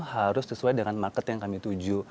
harus sesuai dengan market yang kami tuju